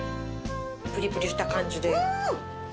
ぷりぷりした感じで。